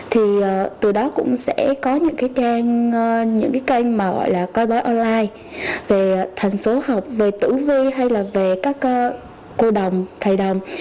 thì từ đó cũng sẽ có những cái trang những cái kênh mà gọi là coi bé online về thành số học về tử vi hay là về các cô đồng thầy đồng